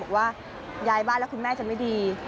ว่าย้ายบ้านแล้วคุณแม่จะไม่ดี